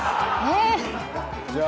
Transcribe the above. えっ？